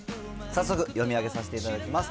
早速読み上げさせていただきます。